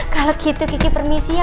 kalau gitu kiki permisi ya